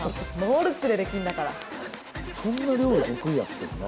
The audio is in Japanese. そんな料理得意やってんな。